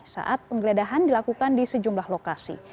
saat penggeledahan dilakukan di sejumlah lokasi